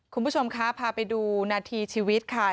คุณผู้ชมคะพาไปดูนาทีชีวิตค่ะ